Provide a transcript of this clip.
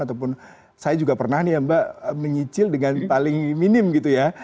ataupun saya juga pernah nih ya mbak menyicil dengan paling minim gitu ya